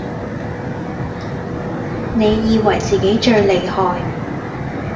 你以為自己最厲害